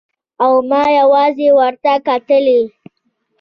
او ما يوازې ورته کتلای.